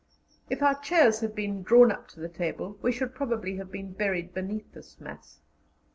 If our chairs had been drawn up to the table, we should probably have been buried beneath this mass.